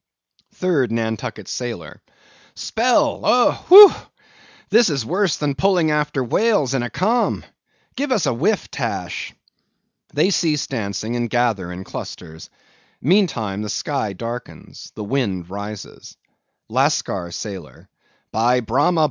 3D NANTUCKET SAILOR. Spell oh!—whew! this is worse than pulling after whales in a calm—give us a whiff, Tash. (They cease dancing, and gather in clusters. Meantime the sky darkens—the wind rises.) LASCAR SAILOR. By Brahma!